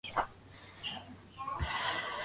La costa, en cambio es más cálida.